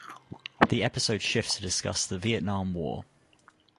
The episode shifts to discuss the Vietnam War.